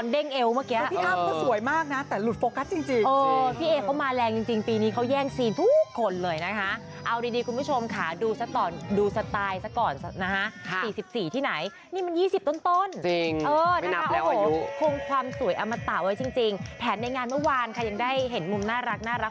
เดี๋ยวเราให้ดูบรรยากาศกันนิดนึงค่ะ